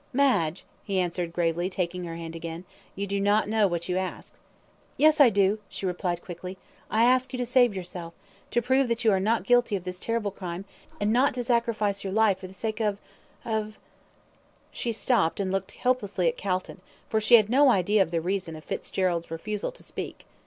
"Madge!" he answered, gravely, taking her hand again, "you do not know what you ask." "Yes, I do!" she replied, quickly. "I ask you to save yourself to prove that you are not guilty of this terrible crime, and not to sacrifice your life for the sake of of " Here she stopped, and looked helplessly at Calton, for she had no idea of the reason of Fitzgerald's refusal to speak.